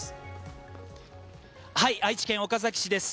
愛知県岡崎市です。